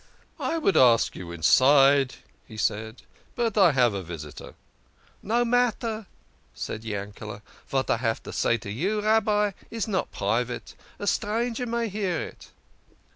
"I would ask you inside," he said, "but I have a vis itor." " No matter," said Yankele", " vat I have to say to you, Rabbi, is not private. A stranger may hear it."